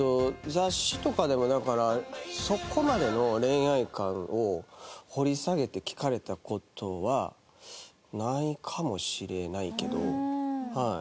雑誌とかでもだからそこまでの恋愛観を掘り下げて聞かれた事はないかもしれないけどはい。